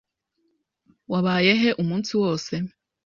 Wabaye he umunsi wose?